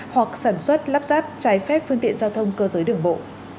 hoặc sản xuất lắp ráp trái phép phương tiện giao thông cơ giới đường bộ